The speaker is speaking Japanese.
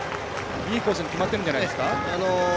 いいコースに決まってるんじゃないですか。